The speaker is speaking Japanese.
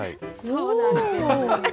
そうなんです。